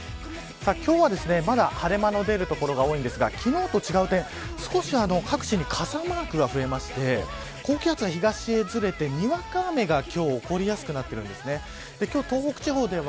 今日はまだ晴れ間の出る所が多いんですが昨日と違う点、少し各地に傘マークが増えまして高気圧が左にずれてにわか雨が今日起こりやすくなっているんです。